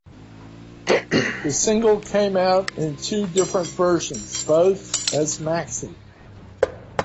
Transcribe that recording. The single came out in two different versions, both as maxi.